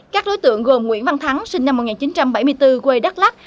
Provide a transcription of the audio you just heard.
các đối tượng gồm nguyễn văn thắng sinh năm một nghìn chín trăm bảy mươi bốn quê đắk lắc